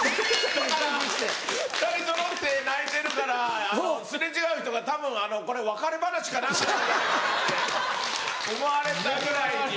２人そろって泣いてるから擦れ違う人がたぶんこれ別れ話か何かじゃないかって思われたぐらいに。